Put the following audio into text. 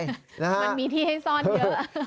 มันมีที่ให้ซ่อนเยอะ